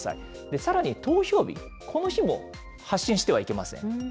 さらに投票日、この日も発信してはいけません。